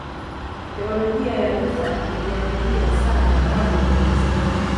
Teolojia ya Luther iliathiriwa sana na mababu wa kanisa